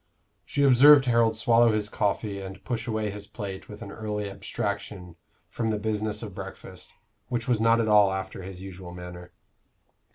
She observed Harold swallow his coffee and push away his plate with an early abstraction from the business of breakfast which was not at all after his usual manner.